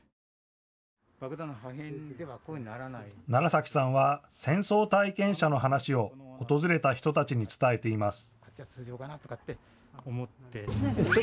楢崎さんは戦争体験者の話を訪れた人たちに伝えています。